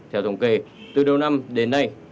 theo thống kê từ đầu năm đến nay